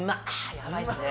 やばいっすね。